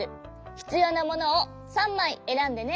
ひつようなものを３まいえらんでね。